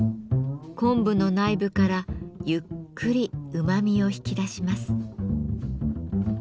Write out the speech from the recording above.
昆布の内部からゆっくりうまみを引き出します。